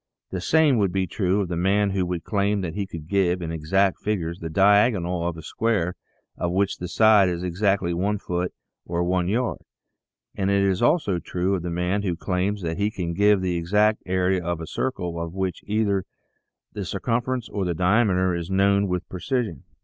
The same would be true of the man who would claim that he could give, in exact figures, the diag onal of a square of which the side is exactly one foot or one yard, and it is also true of the man who claims that he can give the exact area of a circle of which either the circumference or the diameter is known with precision.